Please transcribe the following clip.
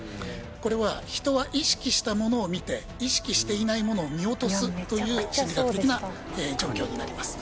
これは人は意識したものを見て意識していないものを見落とすという心理学的な状況になります